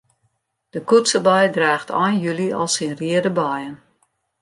De koetsebei draacht ein july al syn reade beien.